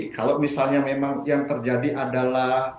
kalau misalnya memang yang terjadi adalah